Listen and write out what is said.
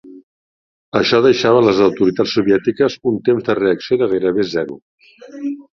Això deixava les autoritats soviètiques un temps de reacció de gairebé zero.